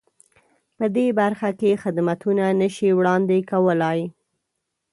په دې برخه کې خدمتونه نه شي وړاندې کولای.